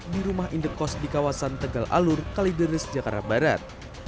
di rumah indekos di kawasan tegal alur kalideres jakarta barat